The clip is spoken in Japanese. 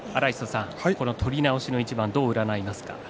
この取り直しの一番どう占いますか。